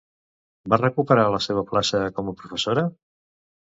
Va recuperar la seva plaça com a professora?